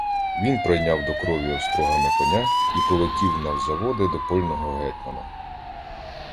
Він пройняв до крові острогами коня і полетів навзаводи до польного гетьмана.